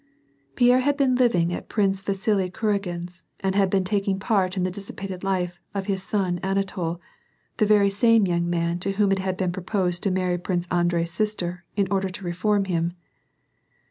Pierre had been living at Prince Vasili Kuragin's, and had been taking part in the dissipated life of his son Anatol, the very same young man to whom it had been proposed to marry Prince Andrei's sister in order to reform him.